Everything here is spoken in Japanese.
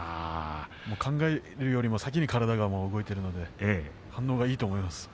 考えるよりも先に体が動いているので反応がいいと思います。